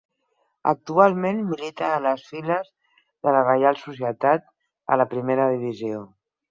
Actualment milita a les files de la Reial Societat a la Primera divisió.